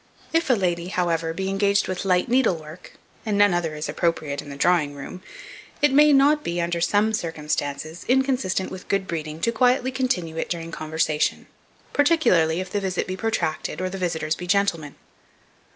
If a lady, however, be engaged with light needlework, and none other is appropriate in the drawing room, it may not be, under some circumstances, inconsistent with good breeding to quietly continue it during conversation, particularly if the visit be protracted, or the visitors be gentlemen.